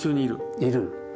いる。